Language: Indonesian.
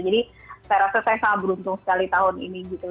jadi saya rasa saya sangat beruntung sekali tahun ini gitu